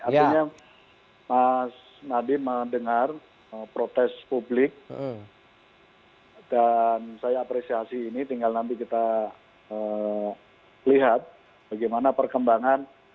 artinya mas nadiem mendengar protes publik dan saya apresiasi ini tinggal nanti kita lihat bagaimana perkembangan